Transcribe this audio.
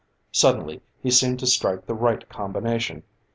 Suddenly he seemed to strike the right combination.